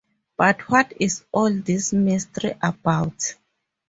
But what is all this mystery about?